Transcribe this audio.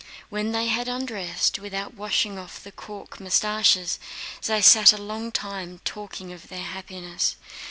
When they had undressed, but without washing off the cork mustaches, they sat a long time talking of their happiness.